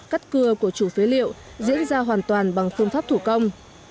cắt cưa của chủ phế liệu diễn ra hoàn toàn bằng phương pháp thủ công